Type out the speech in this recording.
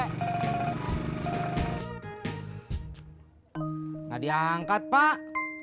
gak diangkat pak